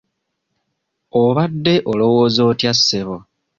Obadde olowooza otya ssebo?